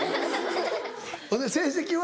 ほんで成績は？